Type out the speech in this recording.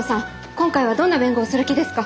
今回はどんな弁護をする気ですか？